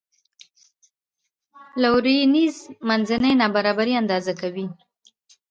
لورینز منحني نابرابري اندازه کوي.